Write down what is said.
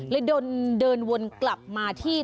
เลยเดินวนกลับมาที่